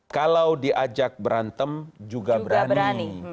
kalau diajak berantem juga berani